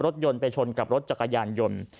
รถยนต์ไปชนกับรถจักรยานยนต์